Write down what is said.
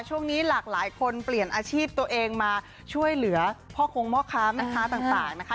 ช่วงนี้หลากหลายคนเปลี่ยนอาชีพตัวเองมาช่วยเหลือพ่อคงพ่อค้าแม่ค้าต่างนะคะ